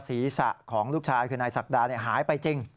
ศีรษะของลูกชายคือนายศักดาหายไปจริง